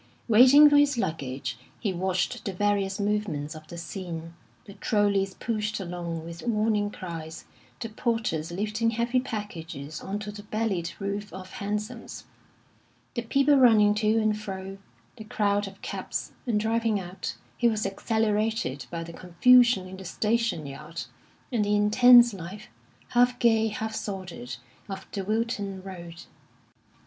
Waiting for his luggage, he watched the various movements of the scene the trollies pushed along with warning cries, the porters lifting heavy packages on to the bellied roof of hansoms, the people running to and fro, the crowd of cabs; and driving out, he was exhilarated by the confusion in the station yard, and the intense life, half gay, half sordid, of the Wilton Road.